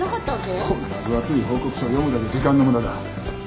こんな分厚い報告書は読むだけ時間の無駄だ。